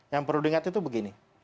yang perlu diingat itu begini